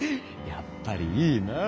やっぱりいいなあ！